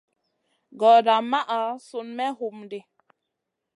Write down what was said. Gordaa maʼa Sun me homdi.